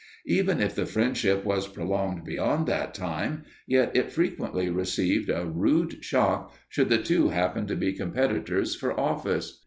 Even if the friendship was prolonged beyond that time, yet it frequently received a rude shock should the two happen to be competitors for office.